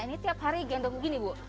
ini tiap hari gendong begini bu